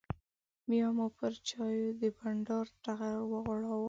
بیا مو پر چایو د بانډار ټغر وغوړاوه.